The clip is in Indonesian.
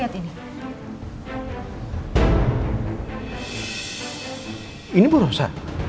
iya lah itu pasti bu rosa pak